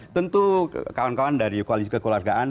tentu kawan kawan dari koalisi kekeluargaan